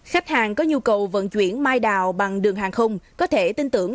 khách hàng có nhu cầu vận chuyển mai đào bằng đường hàng không có thể tin tưởng